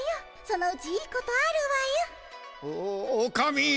そのうちいいことあるわよ。おおおかみ。